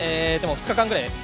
２日間ぐらいです。